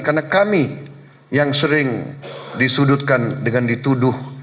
karena kami yang sering disudutkan dengan dituduh